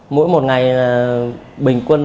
mỗi một ngày bình quân